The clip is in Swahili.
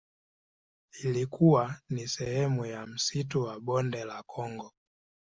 Ilikuwa ni sehemu ya msitu wa Bonde la Kongo.